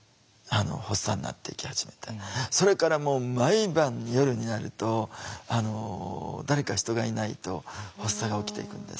それからもう毎晩夜になると誰か人がいないと発作が起きていくんですよ。